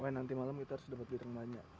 nanti malam kita harus dapat bilik yang banyak